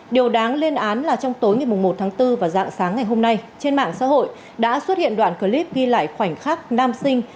điều đáng lên án là trong tối ngày một tháng bốn và dạng sáng ngày hôm nay trên mạng xã hội đã xuất hiện đoạn clip ghi lại khoảnh khắc nam sinh